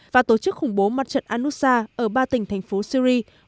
và tổ chức khủng bố mặt trận al nusra ở ba tỉnh thành phố syria